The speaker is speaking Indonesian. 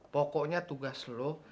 pokoknya tugas lo